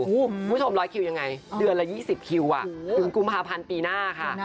ผู้ชมร้อยคิวยังไงเดือนละยี่สิบคิวอ่ะถึงกุมภาพันธ์ปีหน้าค่ะ